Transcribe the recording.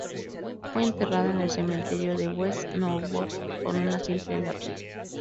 Fue enterrada en el Cementerio de West Norwood con una simple lápida.